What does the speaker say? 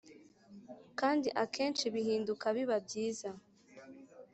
kandi akenshi bihinduka biba byiza